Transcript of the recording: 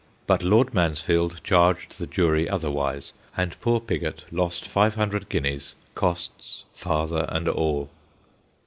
But Lord Mansfield charged the jury otherwise, and poor Pigot lost five hundred guineas, costs, father, and all.